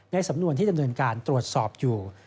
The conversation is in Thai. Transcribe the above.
สำนวนที่ดำเนินการตรวจสอบอยู่